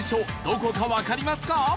どこかわかりますか？